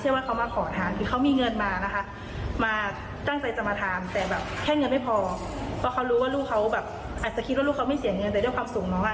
แล้วพอเอิญก็มารู้ว่าเป็นวันเกิดน้องอีกเราก็เลยแบบให้น้องที่ร้านพี่พี่ซุ้ยเค้กมาให้